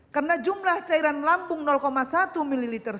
karena jumlah cairan lambung satu mililiter